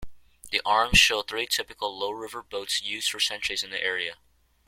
The arms show three typical low riverboats used for centuries in the area.